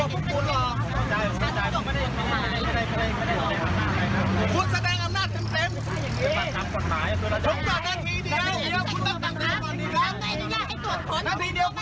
มันจอดอย่างง่ายอย่างง่ายอย่างง่าย